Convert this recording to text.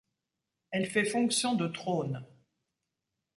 Elle fait fonction de trône.